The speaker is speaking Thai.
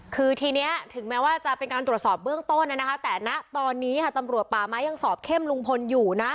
คือทีนี้ถึงแม้ว่าจะเป็นการตรวจสอบเบื้องต้นนะคะแต่ณตอนนี้ค่ะตำรวจป่าไม้ยังสอบเข้มลุงพลอยู่นะ